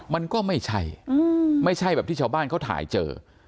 มันก็ไม่ใช่ไม่ใช่แบบที่ชาวบ้านเขาถ่ายเจอ